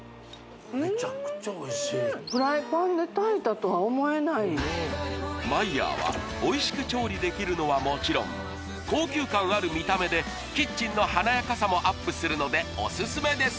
メチャクチャおいしいＭＥＹＥＲはおいしく調理できるのはもちろん高級感ある見た目でキッチンの華やかさもアップするのでオススメです